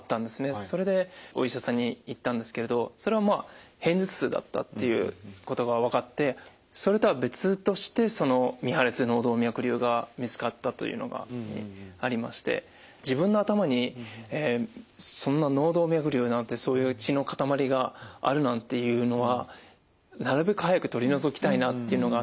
それでお医者さんに行ったんですけれどそれはまあ偏頭痛だったっていうことが分かってそれとは別としてその未破裂脳動脈瘤が見つかったというのがありまして自分の頭にそんな脳動脈瘤なんてそういう血の塊があるなんていうのはなるべく早く取り除きたいなっていうのがあって。